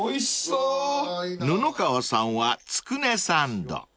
［布川さんはつくねサンド］